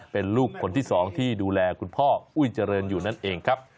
เป็นลูกคนที่๒ที่ดูแลคุณพ่ออุ้ยเจริญอยู่นั่นเองครับ